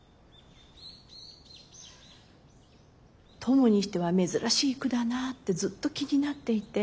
トモにしては珍しい句だなってずっと気になっていて。